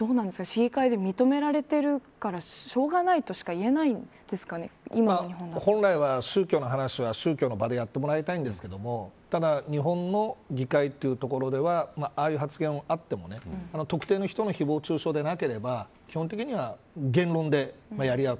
市議会で認められているからしょうがないとしか本来は宗教の話は宗教の場でやってもらいたいんですけどただ日本の議会というところではああいう発言があっても特定の人のひぼう中傷でなければ基本的には言論でやり合う。